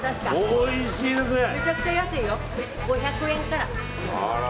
５００円から。